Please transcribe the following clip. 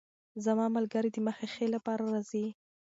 زما ملګرې د مخې ښې لپاره راځي.